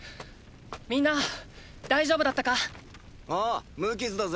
みんな大丈夫だったか⁉おお無傷だぜ。